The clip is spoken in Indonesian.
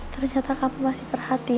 ternyata kamu masih perhatian